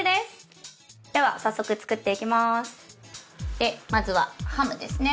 でまずはハムですね。